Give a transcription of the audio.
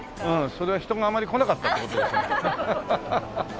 それは人があまり来なかったって事。